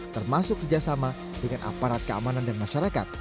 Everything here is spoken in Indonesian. termasuk kerjasama dengan aparat keamanan dan masyarakat